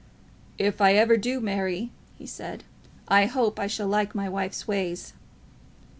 "If ever I do marry," he said, "I hope I shall like my wife's ways."